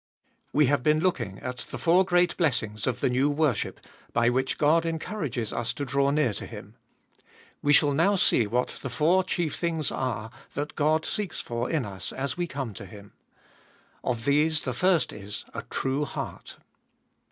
WE have been looking at the four great blessings of the new worship by which God encourages us to draw near to Him. We shall now see what the four chief things are that God seeks for in us as we come to Him. Of these the first is, a true heart.